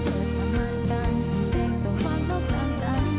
พอแต่เกิดทำงานกันแต่เสียความรักกลางใจ